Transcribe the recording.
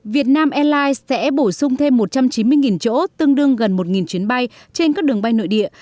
việt nam airlines sẽ bổ sung thêm một trăm chín mươi chỗ tương đương gần một chuyến bay trên các đường bay nội địa